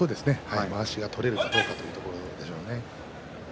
まわしが取れるかどうかっていうところですね。